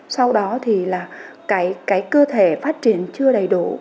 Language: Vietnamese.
sau đó thì là cái cơ thể phát triển chưa đầy đủ